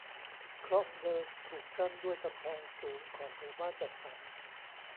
คลองเดิมถูกกั้นด้วยกำแพงสูงของหมู่บ้านจัดสรร